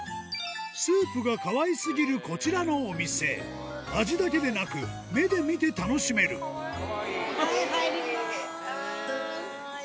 スープがかわいすぎるこちらのお店味だけでなく目で見て楽しめるはい入ります！